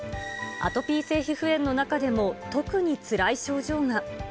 アトピー性皮膚炎の中でも特につらい症状が。